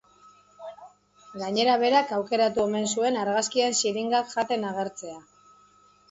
Gainera, berak aukeratu omen zuen argazkian xiringak jaten agertzea.